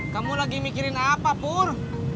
kamu lagi mikirin apa pur